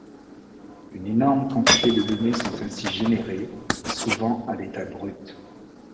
Une énorme quantité de données sont ainsi générées, souvent à l'état brut.